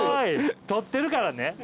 撮ってるからね。